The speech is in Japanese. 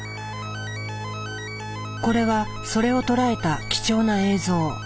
これはそれを捉えた貴重な映像。